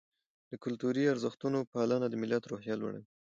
د کلتوري ارزښتونو پالنه د ملت روحیه لوړوي.